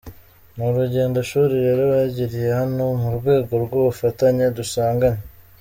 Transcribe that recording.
Ni urugendo shuri rero bagiriye hano mu rwego rw’ubufatanye dusanganywe”.